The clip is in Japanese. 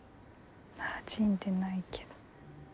なじんでないけど。